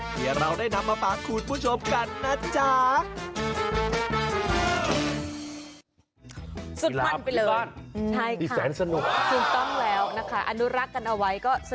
เดี๋ยวเราได้นำมาปากขูดผู้ชมกันนะจ๊ะ